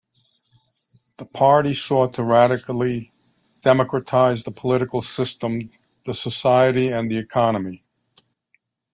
The party sought to radically democratize the political system, the society and the economy.